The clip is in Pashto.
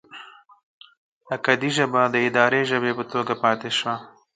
اکدي ژبه د اداري ژبې په توګه پاتې شوه.